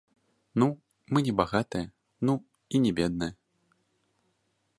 Ну, мы не багатыя, ну і не бедныя.